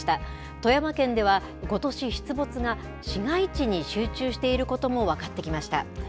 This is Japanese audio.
富山県では、ことし出没が市街地に集中していることも分かってきました。